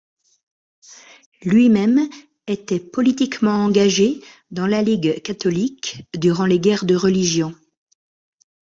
Lui-même était politiquement engagé dans la Ligue catholique durant les guerres de religion.